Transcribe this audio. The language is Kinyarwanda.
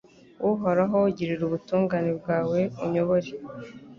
Uhoraho girira ubutungane bwawe unyobore